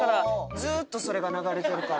ずっとそれが流れてるから。